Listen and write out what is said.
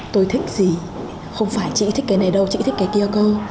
tôi thích gì không phải chị thích cái này đâu chị thích cái kia cơ